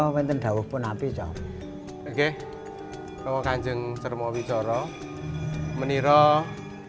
membantu dalang merapikan dan mengambil karakter wayang saat pagelaran dimulai